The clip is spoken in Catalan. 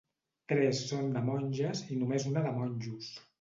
Tres són de monges i només una de monjos.